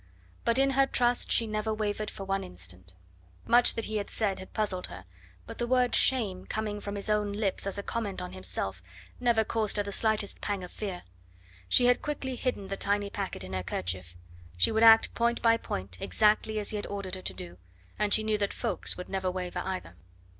But in her trust she never wavered for one instant. Much that he had said had puzzled her; but the word "shame" coming from his own lips as a comment on himself never caused her the slightest pang of fear. She had quickly hidden the tiny packet in her kerchief. She would act point by point exactly as he had ordered her to do, and she knew that Ffoulkes would never waver either.